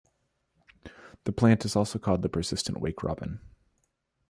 The plant is also called the persistent wakerobin.